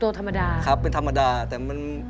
ตัวธรรมดาครับเป็นธรรมดาแต่มัน